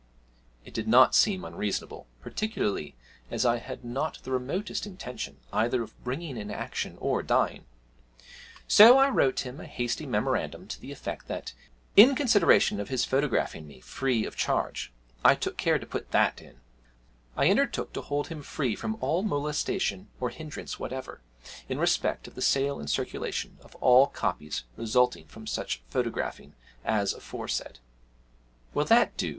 It did not seem unreasonable, particularly as I had not the remotest intention either of bringing an action or dying; so I wrote him a hasty memorandum to the effect that, in consideration of his photographing me free of charge (I took care to put that in), I undertook to hold him free from all molestation or hindrance whatever in respect of the sale and circulation of all copies resulting from such photographing as aforesaid. 'Will that do?'